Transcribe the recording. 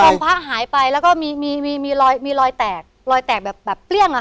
แล้วองค์พระหายไปแล้วก็มีลอยแตกแบบเปลี่ยงหรอคะ